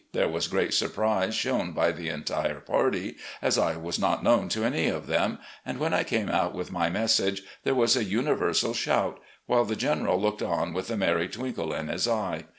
There was great surprise shown by the entire party, as I was not known to any of them, and when I came out with my message there was a universal shout, while the General looked on with a merry twinkle in his eye.